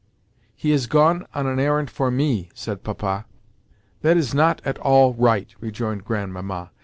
"He has gone an errand for me," said Papa. "That is not at all right," rejoined Grandmamma.